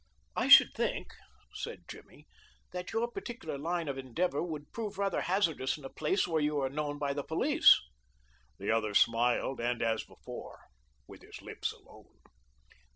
"I should think," said Jimmy, "that your particular line of endeavor would prove rather hazardous in a place where you are known by the police." The other smiled and, as before, with his lips alone.